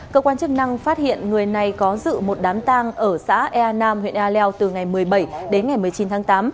cơ quan chức năng phát hiện người này có dự một đám tang ở xã ea nam huyện e leo từ ngày một mươi bảy đến ngày một mươi chín tháng tám